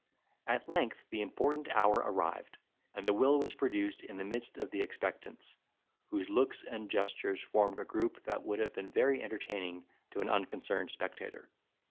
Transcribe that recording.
At length the important hour arrived, and the will was produced in the midst of the expectants, whose looks and gestures formed a group that would have been very entertaining to an unconcerned spectator.